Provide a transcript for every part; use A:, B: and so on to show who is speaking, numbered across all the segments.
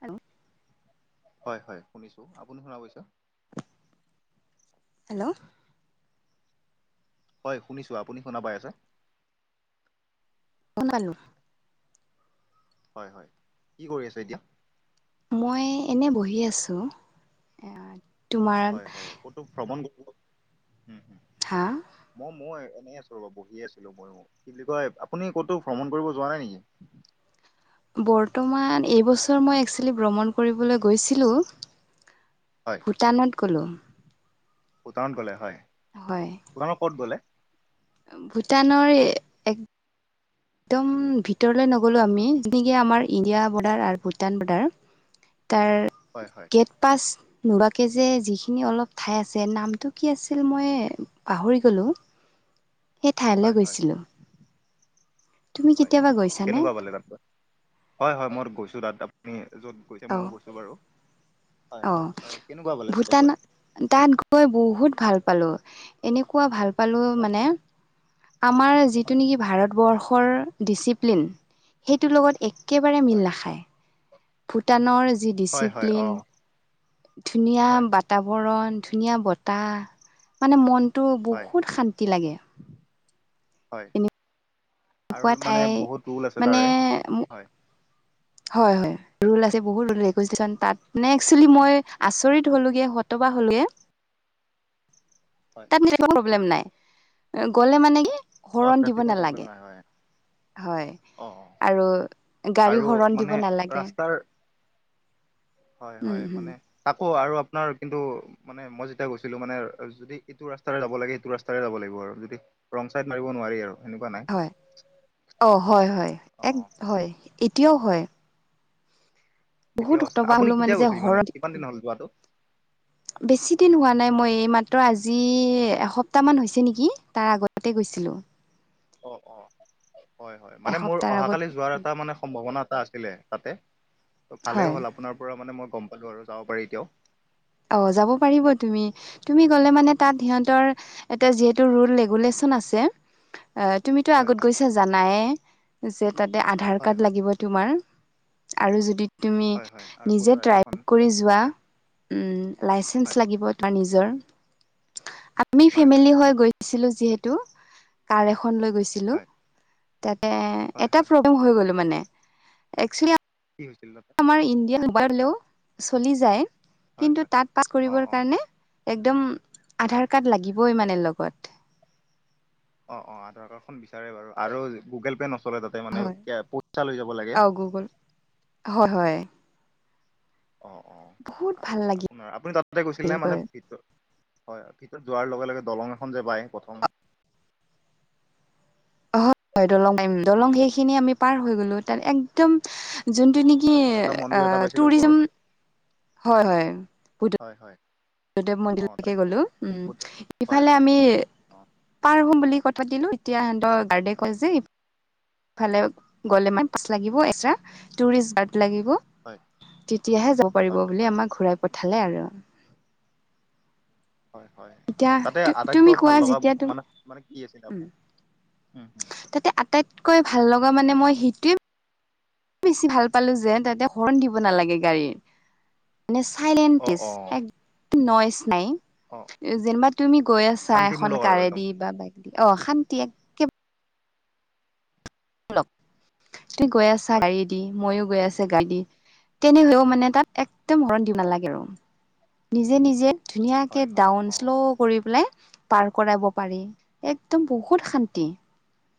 A: Hello
B: হয় হয় শুনিছো আপুনি শুনা পাইছা।
A: হেল্ল'
B: হয় শুনিছো আপুনি শুনা পাই আছে?
A: বনালো।
B: হয় হয় কি কৰি আছে এতিয়া?
A: মই এনেই বহি আছোঁ, এয়াত।
B: হয় হয় ক'তো ভ্ৰমণ [unintelligible]
A: হা
B: ম মই এনেই আছো। তল বহি আছিলো মই অ, কি বুলি কয় আপুনি ক'তো ভ্ৰমণ কৰিব যোৱা নাই নেকি?
A: বৰ্তমান এইবছৰ মই একচুৱেলি ভ্ৰমণ কৰিবলৈ গৈছিলো।
B: হয়
A: ভূটানত গ'লো।
B: ভূটানত গ'লে হয়।
A: হয়।
B: ভূটান ক'ত গ'লে?
A: ভূটানৰ এক তম ভিতৰলে নগলো আমি যেনেকে আমাৰ ইণ্ডিয়া বৰ্ডাৰ আৰু ভূটান বৰ্ডাৰ। তাৰ
B: হয় হয়।
A: গেট পাচ নোবাকে যে যিখিনি অলপ ঠাই আছে নামটো কি আছিল মই পাহৰি গ'লো। সে ঠাইলৈ
B: হয় হয়
A: গৈছিলোঁ।
B: হয়
A: গৈছানে
B: কেনেকুৱা পালে তাত গৈ হয় হয় মই গৈছো তাত আপুনি য'ত গৈছে
A: অ
B: ময়ো গৈছো বাৰু। হয়
A: অ
B: হয় কেনেকুৱা বলে তাতে
A: ভূটান
B: গৈ
A: তাত গৈ বহুত ভাল পালো এনেকুৱা ভাল পালো
B: হয়
A: মানে আমাৰ
B: হয়
A: যিটো নেকি ভাৰতবৰ্ষৰ ডিচিপ্লিন সেইটোৰ লগত এক- একেবাৰে
B: হয়
A: মিল নাখায়। ভূটানৰ যি
B: হয় হয় অ
A: ডিচিপ্লিন, ধুনীয়া
B: হয়
A: বাত তাবৰণ ধুনীয়া বতাহ মানে মনটো
B: হয়
A: বহুত শান্তি লাগে।
B: হয়
A: এনেকুৱা
B: আৰু
A: ঠাই
B: মানে বহুত ৰোল আছে
A: মানে
B: তাৰে হয়।
A: হয় হয়। ৰোল আছে বহুত ৰেগুলেশচন তাত, মানে একচুৱেলি মই আচৰিত হলোগে হতবা হ'লোগে।
B: হয়
A: তাত একো প্ৰব্লেম নাই, গলে মানে কি
B: অ
A: হৰণ দিব
B: ট্ৰেফিকৰ প্ৰব্লেম
A: নালাগে।
B: নাই হয়
A: হয়
B: অ অ
A: আৰু গাড়ী
B: আৰু
A: হৰণ
B: মানে
A: দিব নালাগে।
B: ৰাস্তাৰ হয়
A: উম
B: হয়
A: হুম।
B: মানে তাকো আৰু আপোনাৰ কিন্তু মানে মই যেতিয়া গৈছিলো মানে যদি এইটো ৰাস্তাৰে যাব লাগে এইটো ৰাস্তাৰে যাব লাগিব আৰু যদি ৰং চাইড মাৰিব নোৱাৰি আৰু। সেনেকুৱা নাই
A: হয় অ হয় হয়
B: অ
A: এক হয় এতিয়াও
B: অ
A: হয়। বহুত
B: এতিয়াও আছে না
A: হতবাক
B: আপুনি
A: হলো
B: কেতিয়া
A: যে
B: গৈছিল মানে কিমান দিন হ'ল যোৱাটো?
A: বেছিদিন হোৱা নাই মই এই মাত্ৰ আজি এসপ্তাহমান হৈছে নেকি তাৰ আগতে গৈছিলোঁ। [inaudible]
B: অ অ হয় হয় মানে মোৰ
A: এসপ্তাহৰ আগত
B: অহাকালি যোৱাৰ এটা মানে সম্ভাৱনা এটা আছিলে তাতে ত ভালে
A: হয়
B: হ'ল আপ- আপোনাৰ পৰা মানে মই গম পালোঁ আৰু যাব পাৰি এতিয়াও।
A: অ যাব পাৰিব তুমি। তুমি গ'লে মানে তাত সিহঁতৰ হেতৰ তাত যিহেতু ৰোল ৰেগুলেচন আছে। অ তুমিতো
B: হয়
A: আগত
B: হয়
A: গৈছা জানাইে যে তাতে আধাৰ
B: হয়
A: কাৰ্ড
B: হয়
A: লাগিব। তোমাৰ আৰু যদি তুমি
B: হয় হয় আৰু
A: নিজে
B: ভোটাৰ আইডিখন
A: ড্ৰাইভ কৰি যোৱা।
B: হয়
A: উম, লাইচেন্স
B: হয়
A: লাগিব ৰ নিজৰ। আপনি
B: হয় হয়
A: ফেমিলি হৈ গৈ ছিলোঁ যিহেতু, কাৰ এখন লৈ গৈছিলোঁ।
B: হয়
A: তাতে
B: হয়
A: এটা
B: হয়
A: প্ৰব্লেম হৈ গলোঁ মানে। এক্সুলী
B: কি হৈছিল তাতে?
A: আমাৰ ইণ্ডিয়ান হ'লেও চলি যায়,
B: হয়
A: কিন্তু
B: হয়
A: তাত পাছ
B: অ
A: কৰিবৰ
B: অ
A: কাৰণে একদম
B: হয়
A: আধাৰ কাৰ্ড লাগিবই মানে লগত।
B: অ' - অ', আধাৰ কাৰ্ডখন বিচাৰে বাৰু। আৰু গুগল পে নচলে তাতে মানে,
A: হয়
B: কে- পইচা লৈ যাব লাগে।
A: অ গুগল হয় - হয়।
B: অ' - অ'।
A: বহুত ভাল
B: আৰু
A: লাগিল
B: আপোনাৰ- আপুনি তাতে গৈছিল নে মানে
A: গৈ
B: ভিত হয়, ভিতৰত যোৱাৰ লগে - লগে দলং এখন যে পায় প্ৰথম।
A: হয়, দলং [inaudible] দলং সেইখিনি আমি পাৰ হৈ গলোঁ। তাত একদম যোনটো নি কি
B: তাৰপিছত এটা মন্দিৰ এটা
A: অ'
B: পাইছিলো
A: টুৰিজম
B: ওপৰত
A: হয় - হয়।
B: হয় - হয়।
A: [unintelligible] দেৱ
B: অ
A: মন্দিৰলৈকে
B: তাত
A: গ'লোঁ। উম,
B: বুদ্ধ হয়
A: ইফালে
B: হয়
A: আমি
B: অ
A: পাৰ হম বুলি কথা পাতিলোঁ, তেতিয়া সিহঁতৰ গাৰ্ডে কয় যে ফালে গ'লে মানে পাছ লাগিব এক্সট্ৰাৰা, টুৰিষ্ট গাৰ্ড লাগিব।
B: হয়
A: তেতিয়াহে যাব পাৰিব
B: হয়
A: বুলি
B: হয়
A: আমাক ঘূৰাই পঠালে আৰু।
B: হয় - হয়।
A: এতিয়া
B: অ' তাতে
A: তুমি
B: আটাইতকৈ ভাল
A: কোৱা
B: লগা
A: যেতিয়া তুমি
B: মানে - মানে কি আছিলে আপোনাৰ, উম - উম
A: টাইতকৈ ভাল লগা মানে মই সিটোৱে বেছি ভাল পালোঁ যে তাতে হৰ্ণ দিব নালাগে গাড়ীৰ। মানে ছাইলেণ্ট
B: অ
A: টিছ‌,
B: অ
A: একদম নইছ নাই।
B: অ
A: যেনিবা তুমি গৈ আছা এখন
B: শান্তিমূলক আৰু একদম
A: কাৰেদি বা বাইক দি, অ' শান্তি একেবাৰে তুমি গৈ আছা
B: হয়
A: গাড়ী দি, মইযো গৈ আছোঁ গাড়ী দি, তেনেহলেও মানে তাত একদম হৰ্ণ দিব নালাগে আৰু। নিজে - নিজে ধুনীয়াকে
B: হয় হয়
A: ডাউন
B: অ
A: শ্লো কৰি পেলাই পাৰ কৰাব পাৰি। একদম বহুত শান্তি।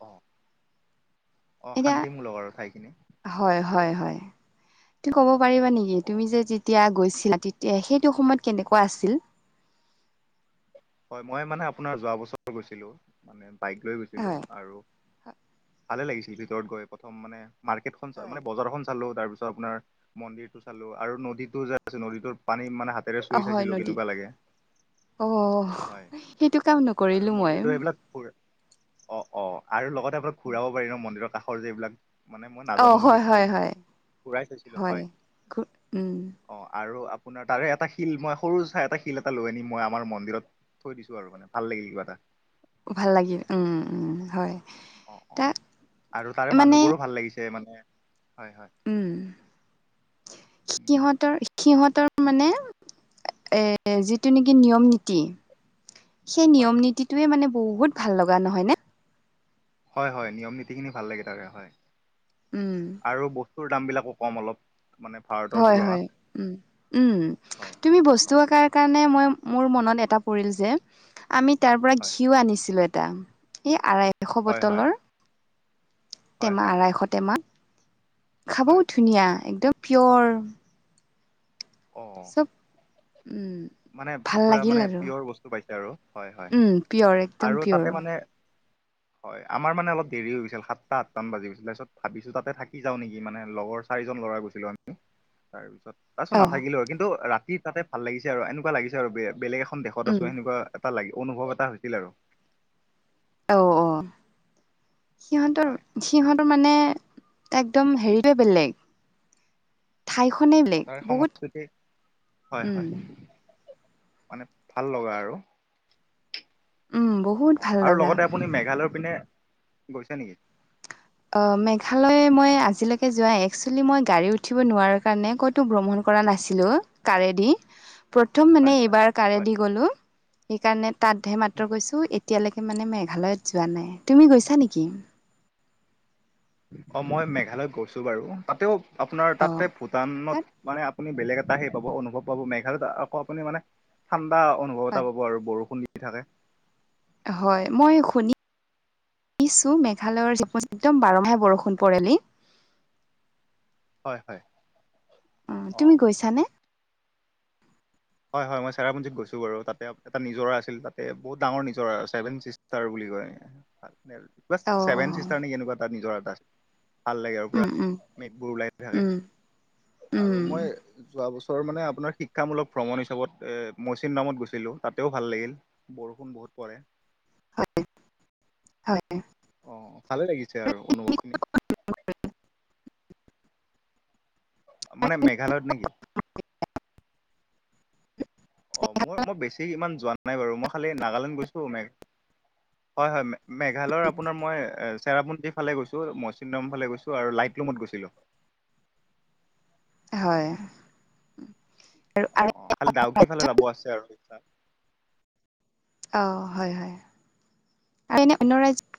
B: অ'। অ'
A: এতিয়া
B: শান্তিমূলক আৰু ঠাইখিনি।
A: হয় - হয় - হয়। তু ক'ব পাৰিবা নেকি
B: অ
A: তুমি যে যেতিয়া গৈছিলা তে তিয়া সেইটো সময়ত কেনেকুৱা আছিল?
B: হয়, মই মানে আপোনাৰ যোৱা বছৰ গৈছিলোঁ। মানে বাইক লৈ গৈছিলোঁ
A: হয়
B: আৰু ভালে লাগিছিল ভিতৰত গৈ প্ৰথম মানে মাৰ্কেটখন
A: হয়
B: মানে বজাৰখন চালোঁ। তাৰপিছত আপোনাৰ মন্দিৰটো চালোঁ আৰু নদীটো যে আছে, নদীটোৰ পানী মানে হাত
A: অ' হয় নদী। অ'
B: হয়
A: সেইটো কাম
B: আৰু
A: নকৰিলোঁ মই।
B: মন্দিৰটো এইবিলাক অ' - অ' আৰু লগতে আপোনাক ঘূৰাব পাৰি ন', মন্দিৰৰ কাষৰ যে এইবিলাক মানে মই
A: অ
B: নাজানো
A: হয়
B: বিশেষকৈ,
A: হয়
B: কিন্তু
A: হয়
B: ঘুৰাই চাইছিলোঁ, হয়।
A: উম
B: অ' আৰু আপোনাৰ তাৰে এটা শিল মই সৰু চাই এটা শিল এটা লৈ আনিম মই আমাৰ মন্দিৰত থৈ দিছোঁ আৰু মানে। ভাল লাগিল কিবা এটা।
A: ভাল লাগিল, উম - উম হয়।
B: অ' - অ',
A: তাক
B: আৰু তাৰে
A: মানে
B: মানুহবোৰো ভাল লাগিছে মানে, হয় - হয়।
A: উম,
B: উম,
A: সিহঁতৰ- সিহঁতৰ মানে এ যিটো নেকি নিয়ম নীতি সেই
B: হয়
A: নিয়ম নীতিটোৱে মানে বহুত ভাল লগা, নহয় নে?
B: হয় - হয়, নিয়ম নীতিখিনি ভাল লাগে তাৰে, হয়।
A: উম,
B: আৰু ব স্তুৰ দামবিলাকো কম অলপ। মানে ভাৰতৰ
A: হয় -
B: তুলনাত
A: হয়, উম। উম,
B: হয়
A: তুমি বস্তু আকাৰ কাৰণে মই- মোৰ মনত এটা পৰিল যে, আমি তাৰ পৰা
B: হয়
A: ঘিও আনিছিলোঁ এটা। এই আঢ়াইশ
B: হয় হয়
A: বটলৰ,
B: হয়
A: টেমা
B: হয়
A: আঢ়াইশ টেমা। খাবও
B: হয়
A: ধুনীয়া, একদম পিয়ৰ।
B: অ'।
A: উম
B: মানে
A: ভাল
B: পুৰা
A: লাগিল
B: মানে
A: আৰু
B: পিয়ৰ বস্তু পাইছে আৰু হয় হয়
A: উম পিয়'ৰ
B: আৰু
A: একদম
B: তাতে
A: পিয়'ৰ। [inaudible]
B: মানে হয় আমাৰ মানে অলপ দেৰি হৈ গৈছিল সাতটা আঠটা মান বাজি গৈছিল তাৰপিছত ভাবিছো তাতে থাকি যাওঁ নেকি লগৰ চাৰিজন ল'ৰা গৈছিলোঁ আমি তাৰপিছত তাৰপাছত
A: অ',
B: নাথাকিলো আৰু কিন্তু ৰাতি তাতে ভাল লাগিছে আৰু এনেকুৱা লাগিছে আৰু বেলেগ এখন দেশত
A: উম,
B: আছো সেনেকোৱা এটা লাগি অনুভৱ এটা হৈছিল আৰু।
A: অ অ সিহঁতৰ
B: হয়
A: সিহঁতৰ মানে একদম হেৰিটোৱে বেলেগ ঠাইখনেই
B: অ
A: বেলেগ
B: তাৰ
A: বহুত
B: সংস্কৃতি হয়
A: উম।
B: হয় মানে ভাল লগা আৰু।
A: উম বহুত
B: অঁ
A: ভাল
B: আৰু
A: লগা
B: লগতে আপুনি মেঘালয়ৰ পিনে গৈছে নেকি?
A: অঁ মেঘালয়ে মই আজিলৈকে যোৱা একসুৱেলি মই গাড়ী উঠিব নোৱাৰঁ কাৰণে ক'ত তো ভ্ৰমণ কৰা নাছিলো কাৰেদি। প্ৰথম মানে
B: হয় হয়
A: এইবাৰ কাৰে
B: হয়
A: দি গ'লো সেইকাৰণে তাতহে মাত্ৰ গৈছোঁ এতিয়ালৈকে মানে মেঘালয়ত যোৱা নাই তুমি গৈছা নেকি?
B: অ মই মেঘালয়ত গৈছো বাৰু তাতেও আপোনাৰ
A: অ
B: তাতে
A: তাত
B: ভূটানত মানে আপুনি বেলেগ এটা সেই পাব অনুভৱ পাব মেঘালয়ত আকৌ আপুনি মানে ঠাণ্ডা অনুভৱ এটা
A: হয়
B: পাব আৰু বৰষুণ দি থাকে।
A: হয় মই শুনি শুনিছো মেঘালয়ৰ একদম বাৰমাহে বৰষুণ পৰে বোলি।
B: হয় হয়।
A: অ তুমি গৈছানে?
B: হয় হয় মই চেৰাপুঞ্জীত গৈছোঁ বাৰু তাতে এটা নিজৰ আছিল তাতে বহুত ডাঙৰ নিজৰ ছেভেন ছিষ্টাৰ বুলি কয়।
A: অ
B: ছেভেন চিষ্টাৰ নে কেনেকুৱা তাত নিজৰ এটা। ভাল লাগে আৰু পুৰা
A: উম উম
B: মেঘবোৰ ওলাই থাকে।
A: উম
B: আৰু
A: উম
B: মই যোৱা বছৰ মানে আপোনাৰ শিক্ষামূলক ভ্ৰমণ হিচাপত মৌচিন নামত গুছিলোঁ তাতেও ভাল লাগিল বৰষুণ বহুত পৰে।
A: হয় হয়।
B: অ ভালে লাগিছে আৰু অনুভৱ খিনি। মানে মেঘালয়ত নেকি? অ মোৰ মই বেছি ইমান যোৱা নাই বাৰু মই খালি নাগালেণ্ড গৈছো
A: [inaudible]
B: হয় হয় মেঘালয়ৰ আপোনাৰ মই চেৰাপুঞ্জীৰ ফালে গৈছো মইচিম ফালে গৈছো আৰু লাইটলুমত গৈছিলো।
A: হয়।
B: অ
A: আৰু
B: অ খালি ডাউক ফালে যাব আছে আৰু
A: অ হয় হয় আৰু এনে অন্যান্য ৰাজ্য